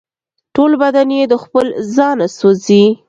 ټول بدن یې د خپل ځانه سوزي